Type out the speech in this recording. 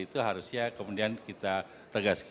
itu harusnya kemudian kita tegaskan